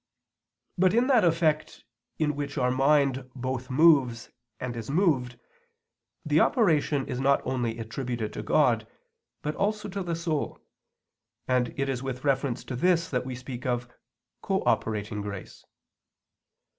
But in that effect in which our mind both moves and is moved, the operation is not only attributed to God, but also to the soul; and it is with reference to this that we speak of "cooperating grace."